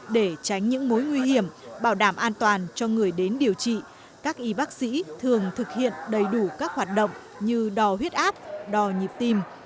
để tránh những mối nguy hiểm bảo đảm an toàn cho người đến điều trị các y bác sĩ thường thực hiện đầy đủ các hoạt động như đo huyết áp đo nhịp tim